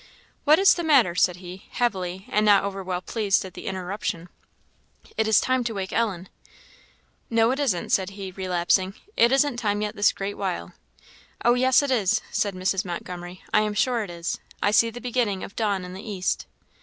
"What is the matter?" said he, heavily, and not over well pleased at the interruption. "It is time to wake Ellen." "No it isn't," said he, relapsing; "it isn't time yet this great while." "Oh, yes, it is," said Mrs. Montgomery; "I am sure it is; I see the beginning of dawn in the east."